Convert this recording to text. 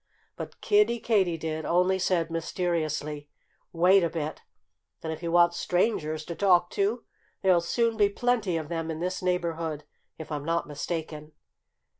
But Kiddie Katydid only said mysteriously, "Wait a bit! And if you want strangers to talk to, there'll soon be plenty of them in this neighborhood, if I'm not mistaken."